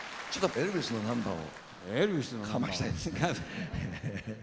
エルビスのナンバーを。